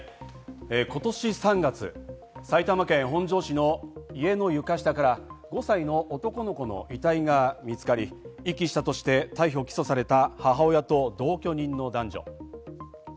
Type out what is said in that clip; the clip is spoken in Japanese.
今年３月、埼玉県本庄市の家の床下から５歳の男の子の遺体が見つかり、遺棄したとして逮捕・起訴された母親と同居人の男女。